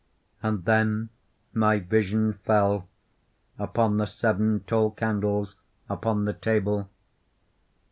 And then my vision fell upon the seven tall candles upon the table.